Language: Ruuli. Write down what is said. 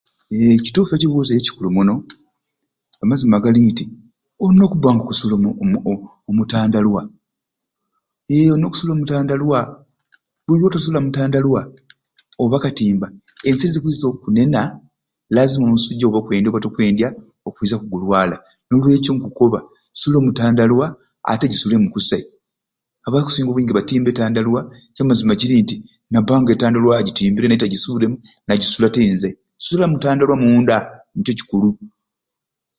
Eeeh kitufu ekibuzo ekyo kikulu muno amazima gali nti olina okuba nga oku okusula omu tandaluwa eeeh olina okusula omu tandaluwa buli lwotasula omu tandaluwa oba akatimba ensiri zikwiza okunena lazima omusujja oba okwendya oba tokwendya okwiza oku gulwala n'olyekyo nkukoba sula omu tandaluwa ate gyisulemu kusai abakusinga obwingi batimba etandaluwa ekyamazima kiri nti naba nga etandaluwa agyitimbire naye nga tagyisuremu nasula te nzai sula omu tandaluwa omunda nikyo kikulu